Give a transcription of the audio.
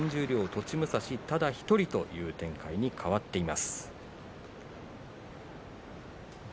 栃武蔵ただ１人という展開に変わっています。